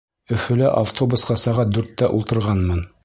Өфөлә автобусҡа сәғәт дүрттә ултырғанмын.